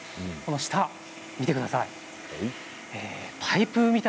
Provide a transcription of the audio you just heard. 下を見てください。